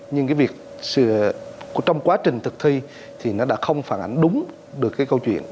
nhưng cái việc trong quá trình thực thi thì nó đã không phản ảnh đúng được cái câu chuyện